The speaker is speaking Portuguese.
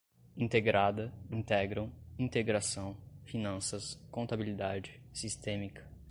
integrada, integram, integração, finanças, contabilidade, sistémica